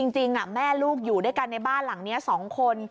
จริงแม่ลูกอยู่ด้วยกันในบ้านหลังนี้๒คน